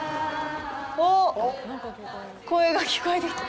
おっ、声が聞こえてきた。